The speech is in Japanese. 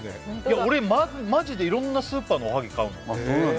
俺マジで色んなスーパーのおはぎ買うの・そうなんだ